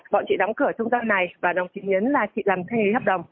bọn chị đóng cửa trung tâm này và đồng chí nhấn là chị làm thanh lý hợp đồng